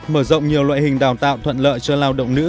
mở rộng nhiều loại hình đào tạo thuận lợi cho lao động nữ